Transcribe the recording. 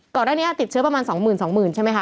ก่อนด้านนี้ติดเชื้อประมาณ๒๐๐๐๐๒๐๐๐๐ใช่ไหมคะ